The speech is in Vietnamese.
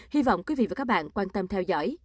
hy vọng quý vị và các bạn quan tâm theo dõi